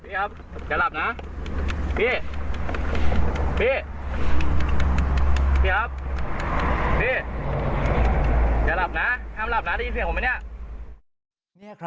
อย่าหลับนะห้ามหลับนะได้ยินเสียงผมไหมเนี่ย